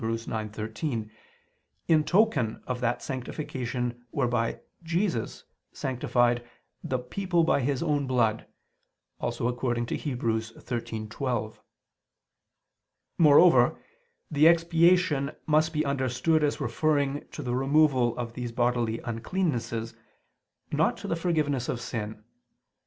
9:13) in token of that sanctification whereby "Jesus" sanctified "the people by His own blood" (Heb. 13:12). Moreover, the expiation must be understood as referring to the removal of these bodily uncleannesses, not to the forgiveness of sin.